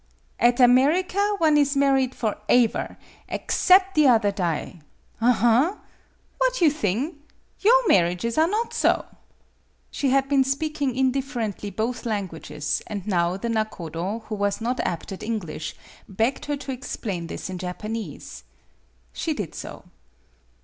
"At America one is married foraever aexcep' the other die. Aha! What you thing? Your marriages are not so." She had been speaking indifferently both languages, and now the nakodo, who was not apt at English, begged her to explain this in Japanese. She did so.